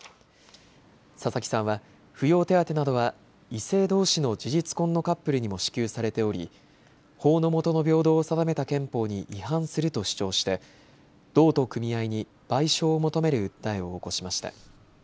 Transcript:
佐々木さんは扶養手当などは異性どうしの事実婚のカップルにも支給されており法の下の平等を定めた憲法に違反すると主張して道と組合に賠償を求める訴えを起こしました。